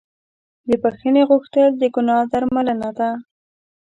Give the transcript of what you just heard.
د بښنې غوښتل د ګناه درملنه ده.